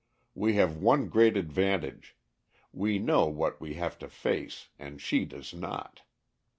We have one great advantage we know what we have to face and she does not.